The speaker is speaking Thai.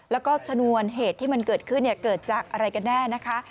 แล้วก็ชนวนเหตุที่มันเกิดขึ้นเกิดจากอะไรกันแน่นะคะ